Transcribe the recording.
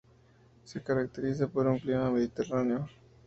Se caracteriza por un clima mediterráneo.